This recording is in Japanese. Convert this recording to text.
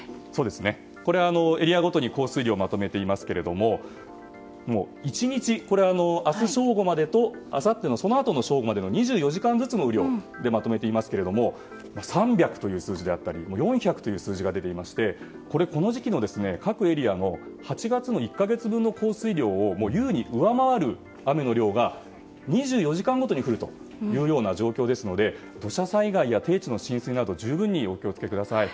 エリアごとに降水量をまとめていますけどももう、１日明日、正午までとそのあとの正午までの２４時間ずつの雨量でまとめていますけれども３００という数字であったり４００という数字が出ていましてこの時期の各エリアの８月の１か月分の降水量を優に上回る雨の量が２４時間ごとに降る状況なので土砂災害や低地の浸水など十分にお気を付けください。